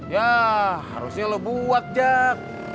ya harusnya lo buat jak